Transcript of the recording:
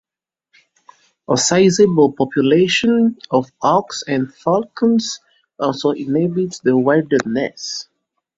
A sizeable population of hawks and falcons also inhabit the wilderness.